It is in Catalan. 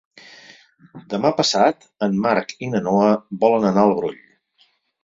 Demà passat en Marc i na Noa volen anar al Brull.